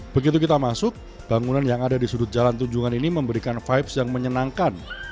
begitu kita masuk bangunan yang ada di sudut jalan tunjungan ini memberikan vibes yang menyenangkan